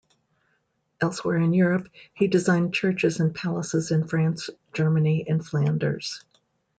Elsewhere in Europe, he designed churches and palaces in France, Germany and Flanders.